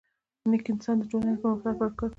نیک انسان د ټولني د پرمختګ لپاره کار کوي.